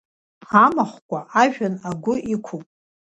Амахәқәа ажәҩан агәы иқәуп…